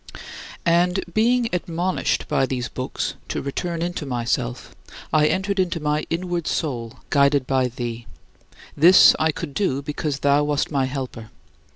And being admonished by these books to return into myself, I entered into my inward soul, guided by thee. This I could do because thou wast my helper.